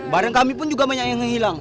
barang kami pun juga banyak yang hilang